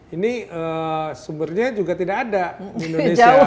ini sumbernya juga tidak ada di indonesia